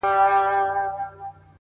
ما ويل وېره مي پر زړه پرېوته،